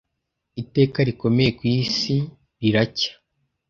'Iteka rikomeye ku isi riracya,